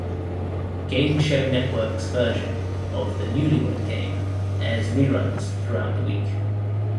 Game Show Network's version of "The Newlywed Game" airs reruns throughout the week.